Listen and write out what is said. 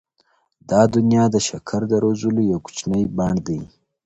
دا دنیا د شکر د روزلو یو کوچنی بڼ دی.